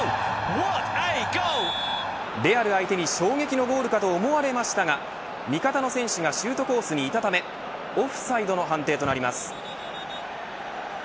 レアル相手に衝撃のゴールかと思われましたが味方の選手がシュートコースにいたためオフサイドの判定となります。